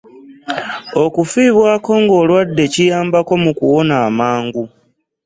Okufiibwako nga olwadde kiyambako mu kuwona amangi.